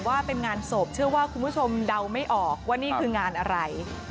ว่าเป็นงานศพเชื่อว่าคุณผู้ชมเดาไม่ออกว่านี่คืองานอะไร